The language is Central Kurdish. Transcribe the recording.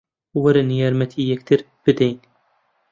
وەرن یارمەتی یەکتر بدەین